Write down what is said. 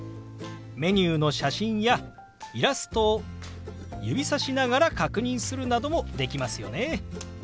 メニューの写真やイラストを指さしながら確認するなどもできますよね。